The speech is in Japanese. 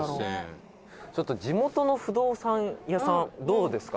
「地元の不動産屋さんどうですか？